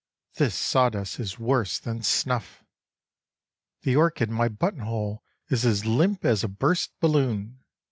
This sawdust is worse than snufT. The orchid in my buttonhole is as limp as a burst balloon.